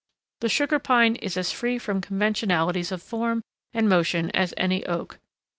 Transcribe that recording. The Sugar Pine is as free from conventionalities of form and motion as any oak.